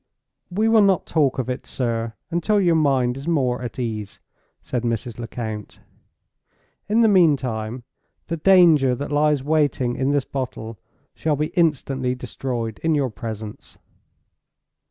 "We will not talk of it, sir, until your mind is more at ease," said Mrs. Lecount. "In the meantime, the danger that lies waiting in this bottle shall be instantly destroyed in your presence."